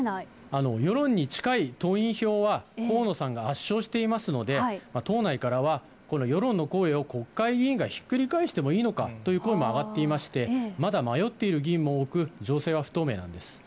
世論に近い党員票は、河野さんが圧勝していますので、党内からは、この世論の声を国会議員がひっくり返してもいいのかという声も上がっていまして、まだ迷っている議員も多く、情勢は不透明なんです。